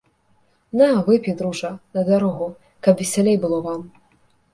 На, выпі, дружа, на дарогу, каб весялей было вам.